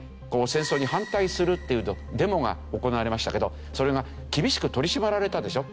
戦争に反対するっていうとデモが行われましたけどそれが厳しく取り締まられたでしょ？